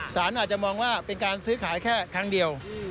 สารอาจจะมองว่าเป็นการซื้อขายแค่ครั้งเดียว